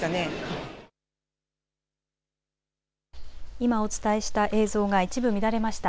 今お伝えした映像が一部乱れました。